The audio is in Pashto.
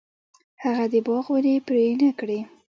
هغه د باغ ونې پرې نه کړې.